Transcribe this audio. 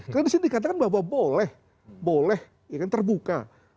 karena di sini dikatakan bahwa boleh boleh ya kan terbuka